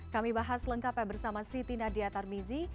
kami bahas lengkapnya bersama siti nadia tarmizi